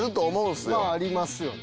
まあありますよね。